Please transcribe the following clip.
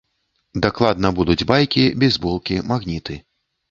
Дакладна будуць байкі, бейсболкі, магніты.